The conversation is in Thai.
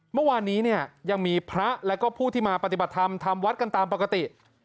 เมื่อวานนี้เนี่ยยังมีพระแล้วก็ผู้ที่มาปฏิบัติธรรมทำวัดกันตามปกติ